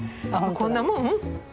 こんなもん？